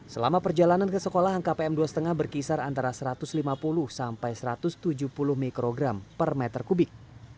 selama perjalanan ke sekolah angka pm dua lima berkisar antara satu ratus lima puluh sampai satu ratus tujuh puluh mikrogram per meter kubik